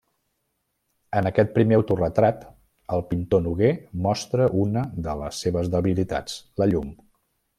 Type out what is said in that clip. En aquest primer autoretrat el Pintor Nogué mostra una de les seves debilitats la llum.